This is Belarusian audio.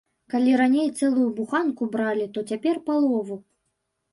Калі раней цэлую буханку бралі, то цяпер палову.